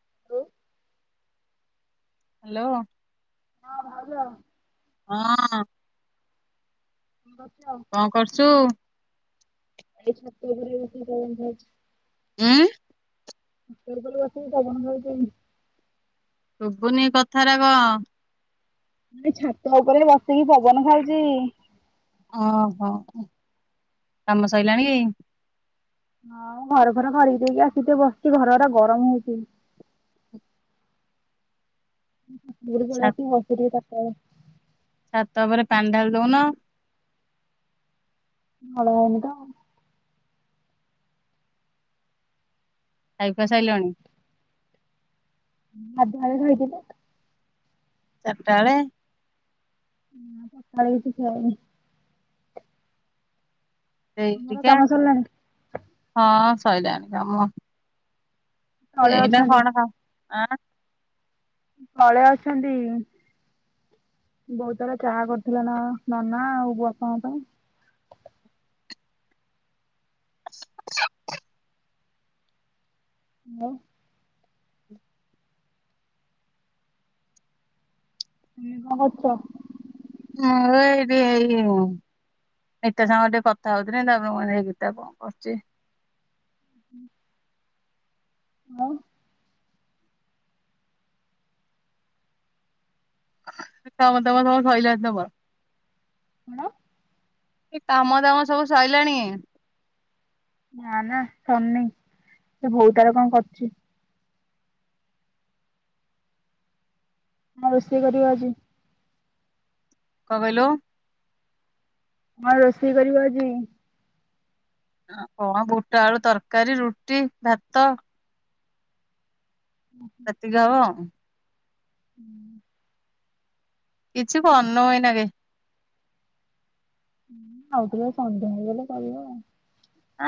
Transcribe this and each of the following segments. [inaudible] Hello ହଁ ଭାଉଜ ହଁ ଆଁ ଗଛ। କଣ କରୁଚୁ? ଏଇ ଛାତ ଉପରେ ବସି ପବନ ଖାଉଚି। ଉଁ। ଛାତ ଉପରେ ଆସିକି ପବନ ଖାଉଛନ୍ତି। ଶୁଭୁନି କଥା ରାକ। ମୁଁ ଟିକେ ଛାତ ଉପରେ ବସିକି ପବନ ଖାଉଛି। ଓହୋ କାମ ସଇଲାଣି? ହଁ ଘର ଫର ଖରିକି ଦେଇକି ଆସିିକି ତ ବସିଛି ଘର ହରା ଗରମ ହୋଉଛି। ଛା [unintelligible] ଛାତ ଉପରେ ପାଣି ଢ଼ାଳିଦଉନ? ନଳ ହେଇନି ତ। ଖାଇ ଖୁଆ ସାଇଲଣି? ହୁଁ ସନ୍ଧ୍ୟା ବେଳେ ଖାଇଥିଲେ। ଚାରିଟା ବେଳେ। ହଁ ସଖାଳେ କିଛିି ଖାଇନି। ସେଇ ତମର ଟିକେ କାମ ସରିଲାଣି? ହଁ ସରିଲାଣି କାମ। ତଳେ ଏଇନା ଅଛନ୍ତି। କଣ କାମ ଆଁ। ତଳେ ଅଛନ୍ତି। ବୋଉ ତାର ଚାହା କରୁଥିଲା ନା କଣ ନନା ଆଉ ବାପାଙ୍କ ପାଇଁ। ମୁଁ। ତମେ କଣ କରୁଚ? ମୁଁ ଏବେ [unintelligible] ଗୀତା ସାଙ୍ଗରେ ଟିକେ କଥା ହଉଥିଲି ତାପରେ ମୁଁ କହିଲି ହେଇ ଗୀତା କଣ କରୁଛି? ହୁଁ। ଆଉ? ତମେ ତମ ସବୁ ସଇଲାଣି ତମ କଣ? ଏ କାମ ଦାମ ସବୁ ସଇଲାଣି। ନା ନା ସରନି ସେ ବୋଉ ତାର କଣ କରୁଛି। କଣ ରୋଷେଇ କରିବ ଆଜି? କଣ କଇଲୁ? କଣ ରୋଷେଇ କରିବ ଆଜି? କଣ ବୁଟ ଆଳୁ ତରକାରୀ ରୁଟି ଭାତ। ଉଁ ହୁଁ। [unintelligible] ହୁଁ। କିଛି କାରିନୁ ଏଇନାକେ। ହୁଁ ଆଉ ଟିକେ ସନ୍ଧ୍ୟା ହେଇଗଲେ କରିବ ଆଉ।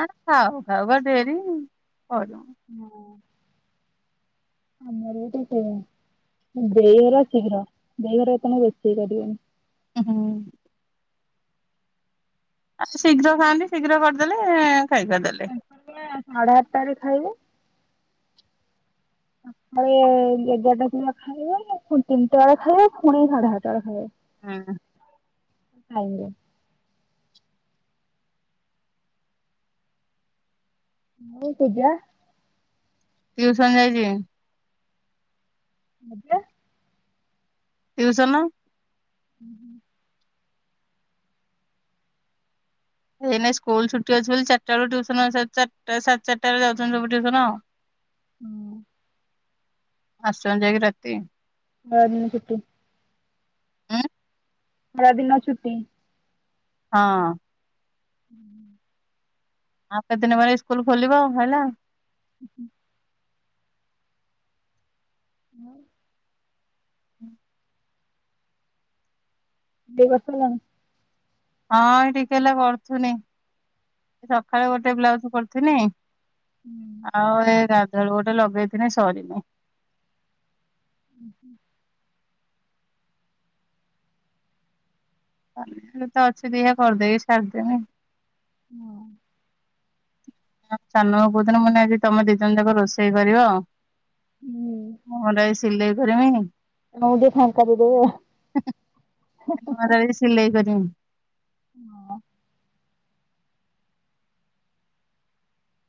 ଆଁ ଖାଉ ଖାଉ ବା ଡେରି କରିନୁ। ଉଁ ହୁଁ। ଆମର ଗୋଟେ ଦେଇ ଘର ଥିଲା ଦେଇ ଘର ରୋଷେଇ କରିବେନି। ହୁଁ। ଆଉ ସେ ଶୀଘ୍ର ଖାଆନ୍ତି ଶୀଘ୍ର କରିଦେଲେ ଖାଇଖୁଆ ଦେଲେ। ତାଙ୍କର ସାଢେ ଆଠଟାରେ ଖାଇବେ। ସକାଳେ ଏଗାରଟା ସୁଦ୍ଧା ଖାଇବ ପୁଣି ତିନିଟା ବେଳେ ଖାଇବ ପୁଣି ସାଢେ ଆରଟା ବେଳେ ଖାଇବ। ହଁ। ଆଜ୍ଞା। [unintelligible] ପୂଜା ଟିଉସନ ଯାଇଛି [unintelligible] ଟୀଉସନ [inaudible] ଏଇ ନାଇଁ ସ୍କୁଲ ଛୁଟି ଅଛି ବୋଲି ଚାରଟା ବେଳ ଟୁସନ ଚାର୍ଟା ସାଢେ ଚାରଟ ବେଳେ ଯାଉଛନ୍ତି ସବୁ ଟୁସନ ଆଉ। [inaudible] ହୁଁ। ଆସନ୍ତ ଯାଇକି ରାତି ପରଦିନ ଛୁଟି। ଉଁ? ଖରା ଦିନ ଛୁଟି। ହଁ। ହୁଁ। ଆଉ କେତ ଦିନ ବଳେ ସ୍କୁଲ ଖୋଲିବ ସଇଲା। ହ ହୁଁ। ଦୀ ବର୍ଷ ହେଲାଣି। ହଁ ଟିକେ ହେଲା କରୁଥୁନି। ସକାଳେ ଗୋଟେ ବ୍ଲାଉଜ କରୁଥିନି। ଆଉ ଏ ଗାଧୁଆଳେ ଗୋଟେ ଲଗେଇଥିନି ସରିନି। ହୁଁ ହୁଁ। ମୁଁ ତ ଅଛି କରିଦେଇକି ସାରିଦେବି। ହୁଁ। ସାନୁ କହୁଥିଲ ମାନେ ଆଜି ତମେ ଦି ଜଣ ଯାକ ରୋଷେଇ କରିବ। ହୁଁ ସିଲେଇ କରିବି ହୁଁ। ନମ ଗେ ମୋର [unintelligible] ଏଇ ସିଲେଇ କରିମି। ହଁ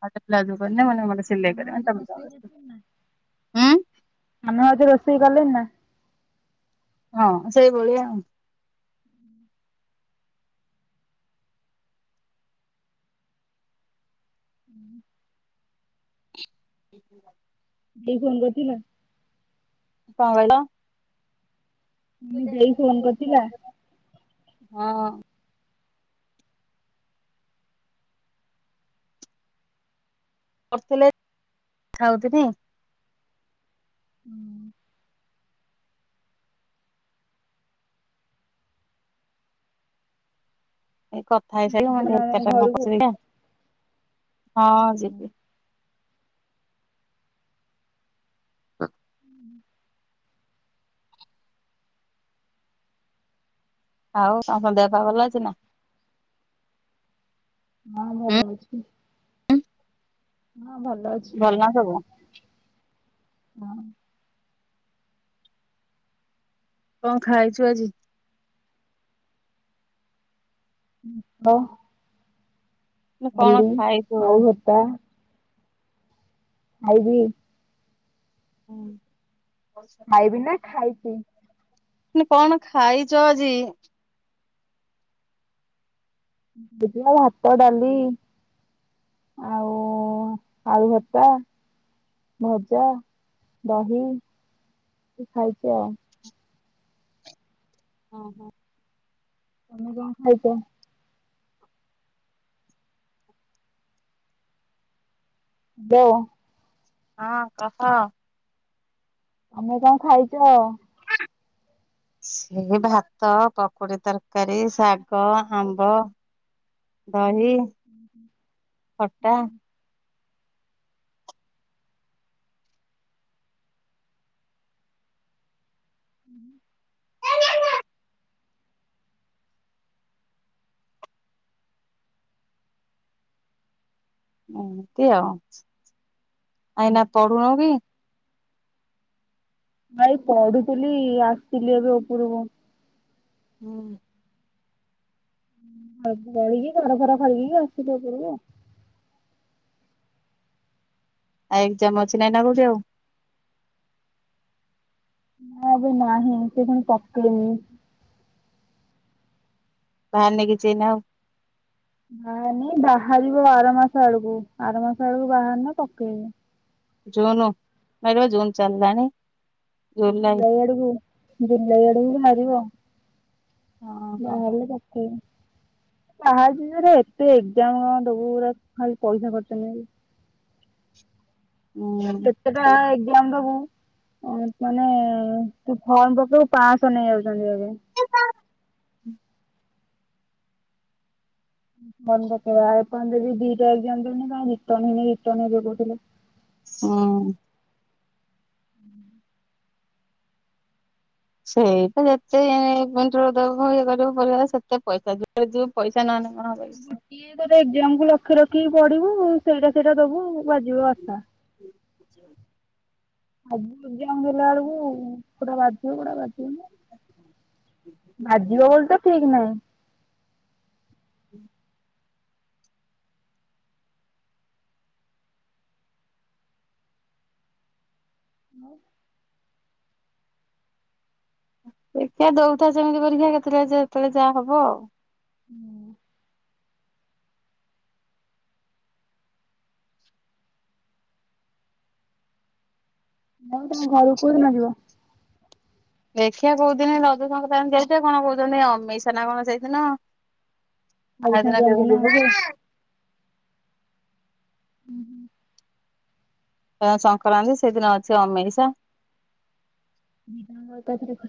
ଆଟ ପ୍ଲଜୁ କରି ମନେ ମନେ ସିଲେଇ ତମେ କରିବ ଭାଉଜ ତ ମ ରୋଷେଇ କରୁଛନ୍ତି ନା? ହୁଁ। ସାନ ମାଉସୀ ରୋଷେଇ କଲେଣିି ନା? ହଁ ସେଇଭଳିଆ ଆଉ। ହୁଁ ଏହି ଫୋନ ଧରିଥିଲା। ପାହୁଳ ଦେଇ ଫୋନ କରିଥିଲା? ହଁ। ଚକଲେଟ ଖାଉଥିଲି। ହୁଁ ଏଇ କଥା ଜୀବନ ହେଇସାରି ଆମ କଣ ଘରକୁ। କରୁଛି ଦେଖିଆ ହଁ ଯିବି। ହ ଆଉ ତାଙ୍କ ଦେହ ପା ଭଲ ଅଛି ନା। ହଁ ଉଁ ଭଲ ଅଛି। ହଁ ଭଲ ଅଛି। ଭଲ ନା ସବୁ। ହଁ କଣ ଖାଇଛୁ ଆଜି? ହ ମୁଁ କହିଲି କଣ ହଲି ଖାଇଛୁ? ଆଳୁ ଭର୍ତା ଆଇବି ହୁଁ [unintelligible] ଖାଇବି ନା ଖାଇଛି କଣ ଖାଇଛ ଆଜି? ବଜ ଭାତ, ଡାଲି ଆଉ ଆଳୁ ଭର୍ତା ଭଜା, ଦହି ଖାଇଛି ଆଉ। ଓ ହୋ ତମେ କଣ ଖାଇଛ? ଦ ହଁ କହ। ତମେ କଣ ଖାଇଛ? ସେ ଭାତ, ପକୁଡ଼ି ତରକାରୀ, ଶାଗ, ଆମ୍ବ ଦହି ଖଟା ହୁଁ ହୁଁ ଏମିତି ଆଉ ଆ ଏଇନା ପଢୁନହୁଁ କି। ଭାଇ ପଢୁଥିଲି ଆସିଥିଲି ଏବେ ଉପରକୁ। ହୁଁ ଆଉ ଦଳିକି ଘର ଫର ଖରିକିକି ଆସିଲି ଉପରକୁ। ଆଉ ଏକ୍ଜାମ ଅଛି ନା [unintelligible] ନା ଏବେ ନାହିଁ ସେ ପୁଣି ପକେଇନି ବାହାରିନି କିଛି ଏଇନା ଆଉ। ବାହାରିନି ବାହାରିବ ଆର ମାସ ଆଡ଼କୁ ଆର ମାସ ଆଡ଼କୁ ବାହାରିନେ ପକେଇମି଼। ଜୁନ [unintelligible] ଜୁନ୍ ଚାଲିଲାଣି। ଜୁଲାଇ [unintelligible] ଜୁଲାଇ ଆଡ଼କୁ ବାହାରିବ। ଓହୋ ବାହାରୁ କ କହା ଜରେ ଏତେ ଏକ୍ଜାମ ଦବୁ ପୁରା ଖାଲି ପଇସା ଖର୍ଚ୍ଚ ନୁହଁ କି। ହୁଁ କେତେଟା ଏକ୍ଜାମ ଦବୁ? ମାନେ ତୁ ଫର୍ମ ପକେଇକୁ ପାଞ୍ଚଶହ ନେଇ ଯାଉଛନ୍ତି ଏବେ। [unintelligible] ମନ ପକେଇବା ଆପଣ ଯଦି ଦିଟା ଏକ୍ଜାମ [unintelligible] ଉଁ ହୁଁ ସେଇପ ଯେତେ ଇଏ କରିବ ପର ସେତେ ପଇସା ଯ ପଇସା ନହେଲେ କଣ ସିଏ ତାର ଏକ୍ଜାମ କୁ ଲକ୍ଷ୍ୟ ରଖିକି ପଢ଼ିବୁ। ସେଇଟା ସେଇଟା ଦବୁ। କୁଆଡ଼େ ଯିବ ଆସା [unintelligible] ହୁଁ, ଆଚ୍ଛା! ଆଉ ଯାଉ ଦେଲା ବେଳକୁ କୋଡା ବାଧିବ [unintelligible] ବାଜିବ ବୋଲି ତ ଠିକ୍ ନାହିଁ! [inaudible] ହଁ [unintelligible] ଦେଖିଆ ଦଉଥା ସେମିତି ପରୀକ୍ଷା କେତେବେଳେ ଯେତେବେଳେ ଯାହା ହବ ଆଉ ହୁଁ। ଆଉ ତମେ ଘରକୁ କୋଉଦିନ ଯିବ? ଦେଖିଆ କହୁଦିନେ ରଜ ସଂକ୍ରାନ୍ତି ଯାଇତେ କଣ, କହୁଛନ୍ତି ଅମେଇସିଆ ନା କଣ ସେଇଦିନ। ଆଉ ଦିନ କେ [unintelligible] ହୁଁ ହୁଁ ଆ ସଂକ୍ରାନ୍ତି ସେଦିନ ଅଛି ଅମେଇଷା। ବିଧ ତାତରେ [unintelligible]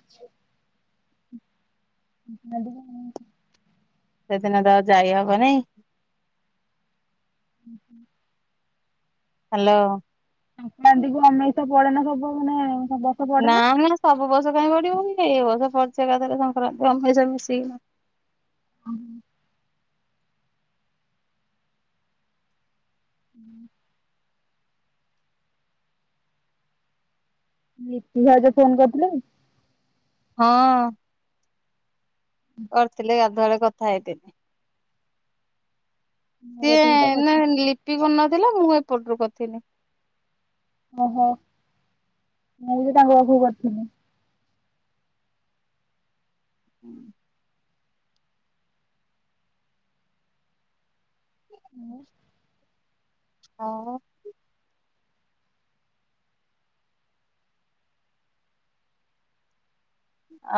ସେଦିନ ତ ଯାଇ ହବନେଇଁ। [inaudible] ହ୍ୟାଲୋ। ମାନ୍ଦିକୁୁ ଅମେଇଷ ପଡେନା ସବୁ ମାନେ [unintelligible] ନା, ନା ସବୁ ବର୍ଷ କାଇଁ ପଡିବ ଏମିତି ଏ ବର୍ଷ ପଡ଼ିଛି ଏକାଥରେ ସଂକ୍ରାନ୍ତି ଅମେଇଶିଆ ମିସେଇକି। [unintelligible] [inaudible] ଲିପି ଭାଉଜ ଫୋନ କରିଥିଲେ? ହଁ କରିଥିଲେ ଗାଧୁଆବେଳେ କଥା ହେଇଥିଲି। ମୋ ସିଏ କତିକି ତ ନା କରିଥିଲେ ଲିପି କରିନଥିଲେ, ମୁଁ ଏପଟରୁ କରିଥିଲି। ଓହୋ, ମୁଁ ବି ତାଙ୍କ ପାଖକୁ କରିଥିଲି। [inaudible] [inaudible] ଆଉ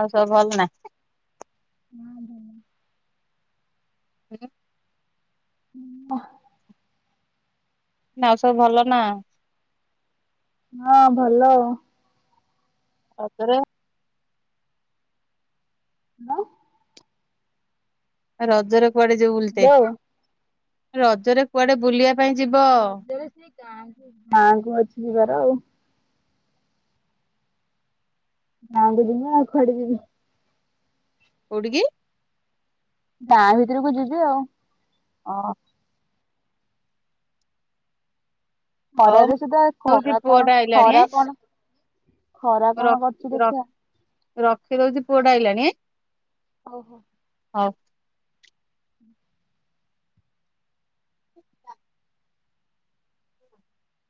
ଆଉ ସବୁ ଭଲ ନା? [unintelligible] [unintelligible] [unintelligible] ଆଉ ସବୁ ଭଲ ନା? ହଁ ଭଲ ଆଉ। ଆଉ ଥରେ କଣ, ରଜରେ କୁଆଡେ ଯିବୁ ବୁଲତେ, ହ୍ୟାଲୋ ରଜରେ କୁଆଡେ ବୁଲିଆ। ରଜରେ ସେ ଗାଁକୁ, ଗାଁକୁ ଅଛି ଯିବାର ଆଉ। ଗାଁ, କୁ ଯିବି ଆଉ କୁଆଡେ ଯିବି। କୋଉଠି କି? ଗାଁ ଭିତରକୁ ଯିବି ଆଉ। ଓହୋ। ହଉ ମୁଁ ଖରାରେ ସୁଧା ଦଉଛି ଖରା କଣ, ପୁଅଟା ଖରା କଣ, ଖରା ହୋଉ କଣ ରଖ୍, କରୁଛି ରଖ୍, ଦେଖିବା ରଖିଦଉଛି ପୁଅଟା ଆଇଲାଣି। ହଉ ହଉ। ହଉ। ହୁଁ [inaudible]